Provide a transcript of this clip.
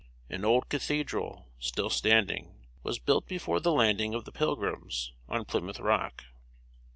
An old cathedral, still standing, was built before the landing of the Pilgrims on Plymouth Rock.